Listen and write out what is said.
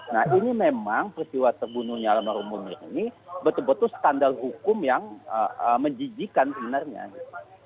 nah ini memang peristiwa terbunuhnya almarhum munir ini betul betul standar hukum yang menjijikan sebenarnya gitu